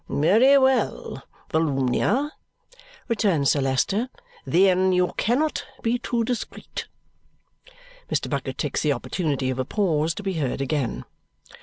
"Very well, Volumnia," returns Sir Leicester. "Then you cannot be too discreet." Mr. Bucket takes the opportunity of a pause to be heard again.